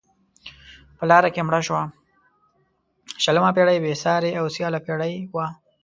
شلمه پيړۍ بې سیارې او سیاله پيړۍ وه.